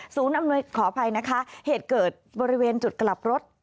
อำนวยขออภัยนะคะเหตุเกิดบริเวณจุดกลับรถ